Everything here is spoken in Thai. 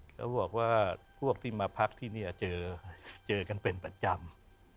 เขาบอกว่าพวกที่มาพักที่นี่เจอกันเป็นประจำ